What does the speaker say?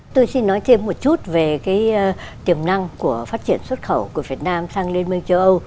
tôi xin nói thêm một chút về cái tiềm năng của phát triển xuất khẩu của việt nam sang liên minh châu âu